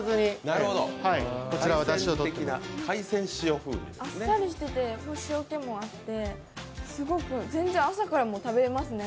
あっさりしてて塩気もあって、すごく全然、朝からも食べられますね。